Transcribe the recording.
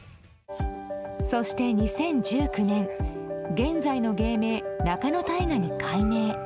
そして、２０１９年現在の芸名・仲野太賀に改名。